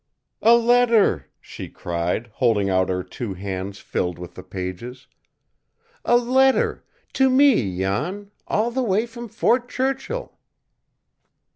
"A letter!" she cried, holding out her two hands filled with the pages. "A letter to me, Jan, all the way from Fort Churchill!"